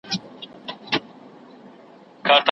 په نصیب یې کندهار سي لا به ښه سي.